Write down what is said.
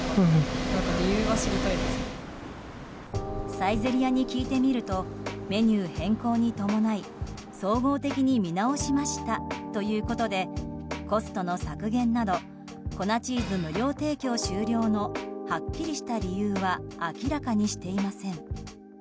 サイゼリヤに聞いてみるとメニュー変更に伴い、総合的に見直しましたということでコストの削減など粉チーズ無料提供終了のはっきりした理由は明らかにしていません。